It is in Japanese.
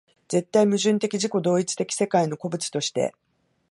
絶対矛盾的自己同一的世界の個物として